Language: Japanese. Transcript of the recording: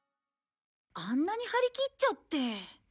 あんなに張り切っちゃって。